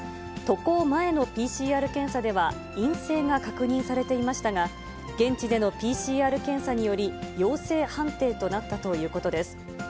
渡航前のＰＣＲ検査では陰性が確認されていましたが、現地でのＰＣＲ検査により、陽性判定となったということです。